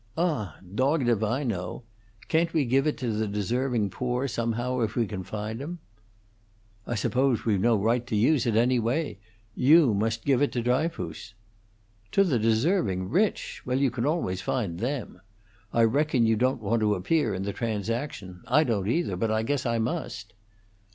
"Ah, dogged if I know: Can't we give it to the deserving poor, somehow, if we can find 'em?" "I suppose we've no right to use it in any way. You must give it to Dryfoos." "To the deserving rich? Well, you can always find them. I reckon you don't want to appear in the transaction! I don't, either; but I guess I must."